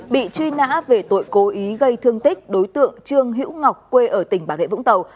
bị truy nã về tội cố ý gây thương tích đối tượng trương hữu ngọc quê ở tỉnh bà rệ vũng tàu